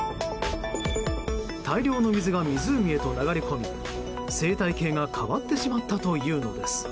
大量の水が湖へと流れ込み生態系が変わってしまったというのです。